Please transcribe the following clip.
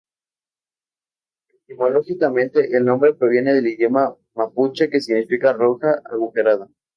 Etimológicamente, el nombre proviene del Idioma mapuche, que significa Roca Agujereada.